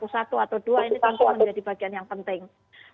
satu atau dua ini tentu menjadi bagian yang penting